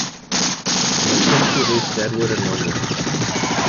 They have since released "Deadwood" and "Wondering".